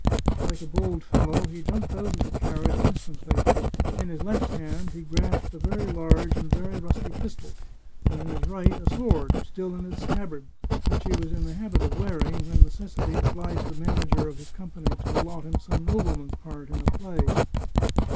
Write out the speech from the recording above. Like a bold fellow, he jumped out of the carriage instantly. In his left hand he grasped a large and very rusty pistol, and in his right a sword, still in its scabbard, which he was in the habit of wearing when necessity obliged the manager of his company to allot him some nobleman's part in a play.